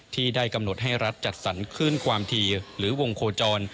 ที่ได้กำหนดให้รัฐจัดสรรคลื่นความถี่หรือวงโคจร